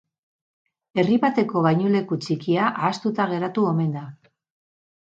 Herri bateko bainuleku txikia ahaztuta geratu omen da.